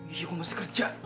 iya gue mesti kerja